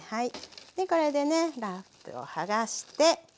これでねラップをはがして。